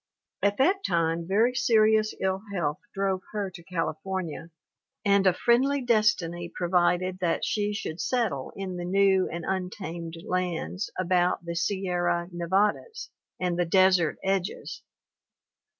At that time very serious ill health drove her to California, and a friendly destiny provided that she should settle in the new and untamed lands about the Sierra Nevadas and the desert edges.